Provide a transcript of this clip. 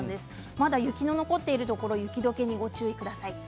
まだ雪の残っているところ雪どけにご注意ください。